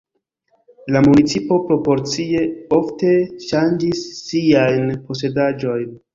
La municipo proporcie ofte ŝanĝis siajn posedaĵojn.